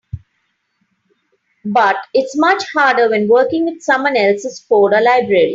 But it's much harder when working with someone else's code or library.